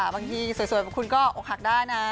บางทีสวยคุณก็อกหักได้นะ